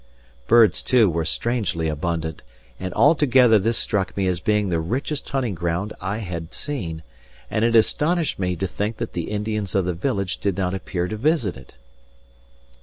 Birds, too, were strangely abundant; and altogether this struck me as being the richest hunting ground I had seen, and it astonished me to think that the Indians of the village did not appear to visit it.